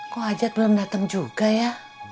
kok ajat belum datang juga ya